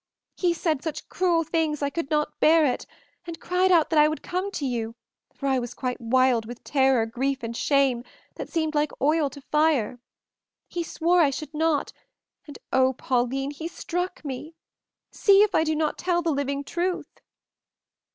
He said such cruel things I could not bear it, and cried out that I would come to you, for I was quite wild with terror, grief, and shame, that seemed like oil to fire. He swore I should not, and oh, Pauline, he struck me! See, if I do not tell the living truth!"